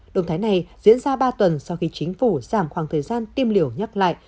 động thái này diễn ra ba tuần sau khi chính phủ giảm khoảng thời gian tiêm liều nhắc lại